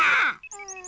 うん。